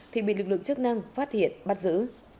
thì bị lực lượng chức năng phát hiện bắt giữ